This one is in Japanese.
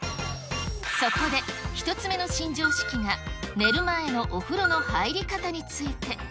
そこで、１つ目の新常識が、寝る前のお風呂の入り方について。